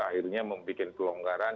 akhirnya membuat kelonggaran